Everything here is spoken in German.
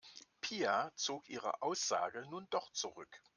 Pia zog ihre Aussage nun doch zurück.